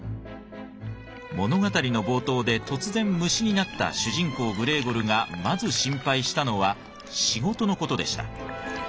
物語の冒頭で突然虫になった主人公グレーゴルがまず心配したのは仕事の事でした。